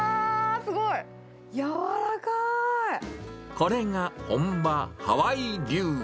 すごい、これが本場ハワイ流。